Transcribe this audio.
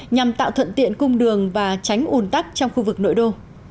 nhằm tạo thuận tiện cung đường và tránh ủn tắc trong khu vực nội đô